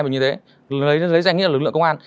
như thế lấy danh nghĩa là lực lượng công an